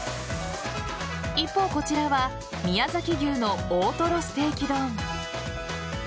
一方こちらは宮崎牛の大トロステーキ丼。